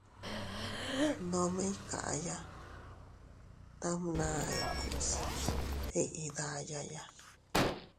Nome iykaya tamʼna ikuus iʼi dayaya.